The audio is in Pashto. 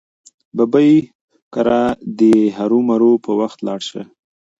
ببۍ کره دې هرو مرو په وخت لاړه شه.